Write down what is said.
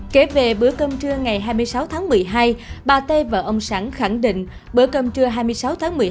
kể về bữa cơm trưa ngày hai mươi sáu tháng một mươi hai bà tê và ông sẵn khẳng định bữa cơm trưa hai mươi sáu tháng một mươi hai